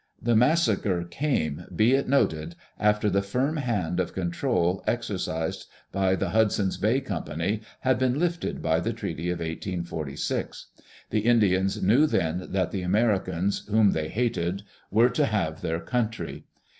The massacre came, be it noted, after the firm hand of control exercised by the Hudson's Bay Company had been lifted by the Treaty of 1846. The Indians knew then that the Americans, whom they hated, were to have their country.